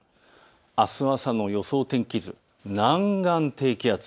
あすの朝の予想天気図、南岸低気圧。